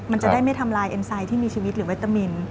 มันจะได้ไม่ทำลายเอ็นไซดที่มีชีวิตหรือเวตามิน